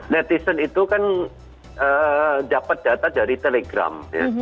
netizen itu kan dapat data dari telegram